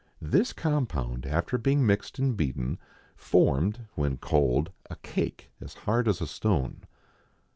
This compound, after being mixed and beaten, formed, when cold, a cake as hard as a stone.